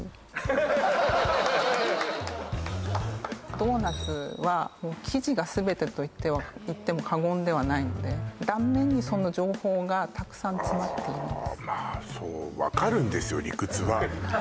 ドーナツは生地がすべてと言っても過言でないので断面にその情報がたくさん詰まっているんです。